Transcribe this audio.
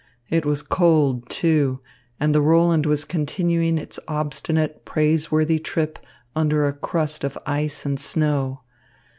It was cold, too, and the Roland was continuing its obstinate, praiseworthy trip under a crust of ice and snow.